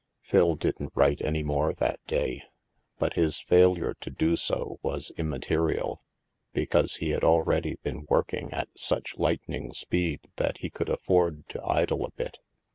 Phil didn't write any more that day ; but his fail ure to do so was immaterial, because he had already been working at such lightning speed that he could afford to idle a bit.